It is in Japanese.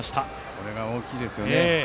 これが大きいですよね。